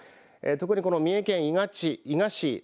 特にこの三重県伊賀市